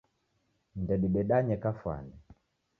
Ndedidedanye kafwani.